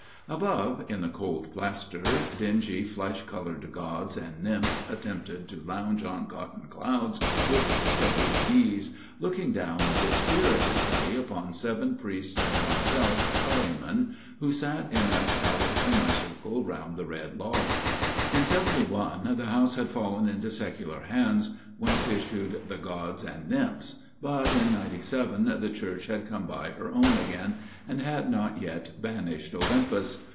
Above, in the cold plaster, dingy flesh coloured gods and nymphs attempted to lounge on cotton clouds with studied ease, 2 A MIRROR OF SHALOTT looking down dispiritedly upon seven priests and myself, a layman, who sat in a shallow semi circle round the red logs. In '71 the house had fallen into secular hands, whence issued the gods and nymphs, but in '97 the Church had come by her own again, and had not yet banished Olympus.